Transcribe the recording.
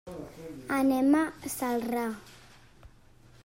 Anem a Celrà.